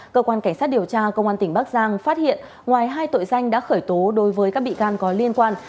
cơ quan cảnh sát điều tra công an tỉnh bắc giang phát hiện ngoài hai tội danh đã khởi tố đối với các bị can có liên quan